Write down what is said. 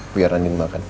biar andien makan